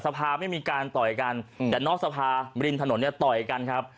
สภาไม่มีการต่อยกันแต่นอกสภาริมถนนเนี่ยต่อยกันครับ